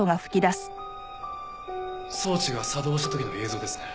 装置が作動した時の映像ですね。